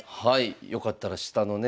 よかったら下のね